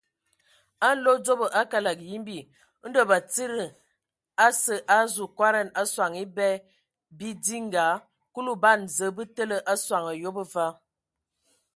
A nlodzobo a kələg yimbi, Ndɔ batsidi asǝ a azu kɔdan sɔŋ ebɛ bidinga; Kulu ban Zǝə bə təlǝ a soŋ ayob va.